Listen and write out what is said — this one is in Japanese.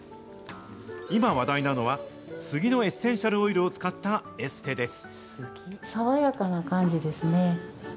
今、話題なのは杉のエッセンシャルオイルを使ったエステです。